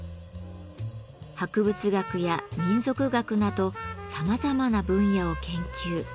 博物学や民俗学などさまざまな分野を研究。